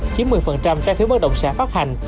chiếm một mươi trái phiếu bất động sản phát hành